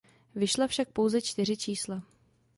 Vyšla však pouze čtyři čísla.